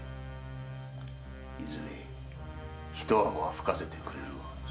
いずれ一泡吹かせてくれるわ。